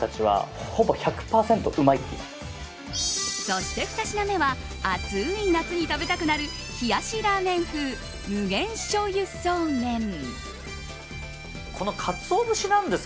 そして２品目は暑い夏に食べたくなる冷やしラーメン風無限しょうゆそうめん。